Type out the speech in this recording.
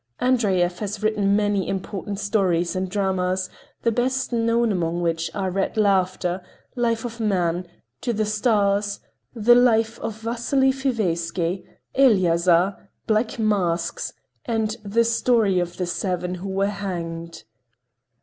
Andreyev has written many important stories and dramas, the best known among which are "Red Laughter," "Life of Man," "To the Stars," "The Life of Vasily Fiveisky," "Eliazar," "Black Masks," and "The Story of the Seven Who Were Hanged."